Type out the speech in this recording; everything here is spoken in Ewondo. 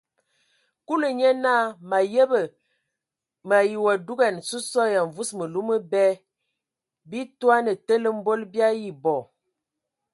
Kulu nye naa : mǝ ayəbǝ! mǝ ayi wa dugan sɔ yen a mvus mǝlu mǝbɛ, bii toane tele mbol bii ayi bɔ.